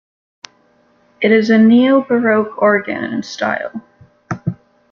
It is a neo-baroque organ in style.